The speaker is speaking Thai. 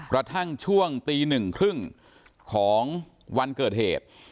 กระทั่งช่วงตีหนึ่งครึ่งของวันเกิดเหตุ